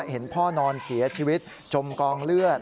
เห็นพ่อนอนเสียชีวิตจมกองเลือด